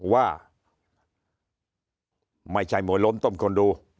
ว่าไม่ใช่มวยล้มต้มคนดู